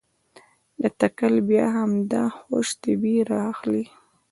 له تکل بیا همدا خوش طبعي رااخلي.